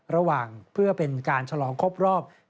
ระหว่างเพื่อเป็นการฉลองครบรอบ